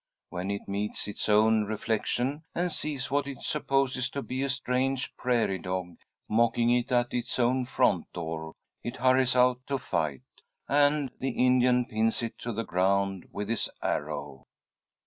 When it meets its own reflection, and sees what it supposes to be a strange prairie dog mocking it at its own front door, it hurries out to fight, and the Indian pins it to the ground with his arrow.